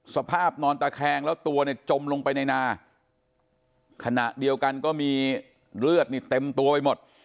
สภาพนอนตะแคงแล้วตัวเนี่ยจมลงไปในนาขณะเดียวกันก็มีเลือดนี่เต็มตัวไปหมด